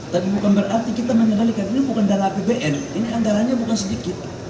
tapi bukan berarti kita menyadarkan ini bukan dana pbn ini antaranya bukan sedikit